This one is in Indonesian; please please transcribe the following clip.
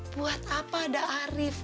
buat apa ada arief